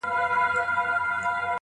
خو حمزه شینواری حیا ته یوازې